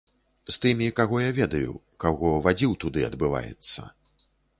З тымі, каго я ведаю, каго вадзіў туды, адбываецца.